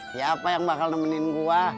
siapa yang bakal nemenin gue